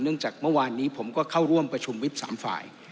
จากเมื่อวานนี้ผมก็เข้าร่วมประชุมวิบ๓ฝ่าย